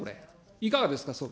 いかがですか、総理。